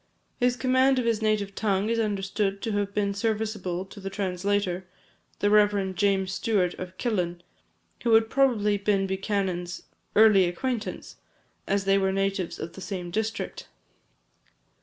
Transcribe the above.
His command of his native tongue is understood to have been serviceable to the translator, the Rev. James Stewart of Killin, who had probably been Buchanan's early acquaintance, as they were natives of the same district.